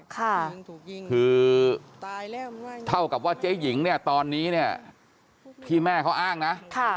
คือเท่ากับว่าเจ๊หญิงตอนนี้ที่แม่เขาอ้างนะ